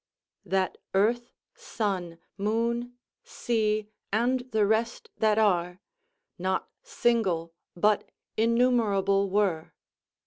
"That earth, sun, moon, sea, and the rest that are, Not single, but innumerable were."